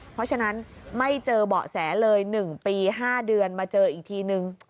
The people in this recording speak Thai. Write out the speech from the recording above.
เพราะฉะนั้นไม่เจอเบาะแสเลย๑ปี๕เดือนมาเจออีกทีนึง